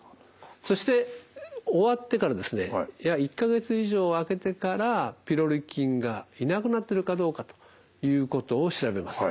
そして終わってから１か月以上空けてからピロリ菌がいなくなってるかどうかということを調べます。